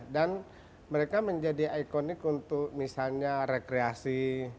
dan mereka menjadi ikonik untuk misalnya rekreasi